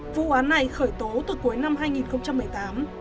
vụ án này khởi tố từ cuối năm hai nghìn một mươi tám